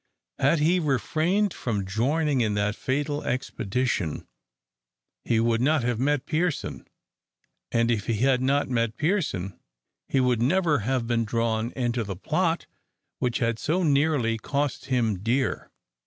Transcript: Had he refrained from joining in that fatal expedition, he would not have met Pearson; and if he had not met Pearson, he would never have been drawn into the plot which had so nearly cost him dear.